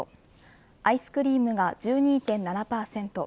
アイスクリームが１２．７％